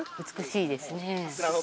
美しいですね。